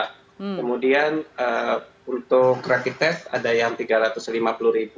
kemudian untuk rapid test ada yang satu lima juta